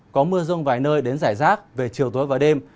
có mưa rông vài nơi đến rải rác về chiều tối và đêm